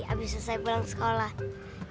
abis selesai pulang sekolah